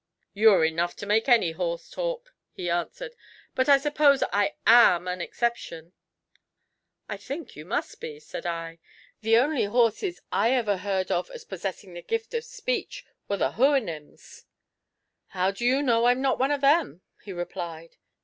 'You are enough to make any horse talk,' he answered; 'but I suppose I am an exception.' 'I think you must be,' said I. 'The only horses I ever heard of as possessing the gift of speech were the Houyhnhnms.' 'How do you know I am not one of them?' he replied.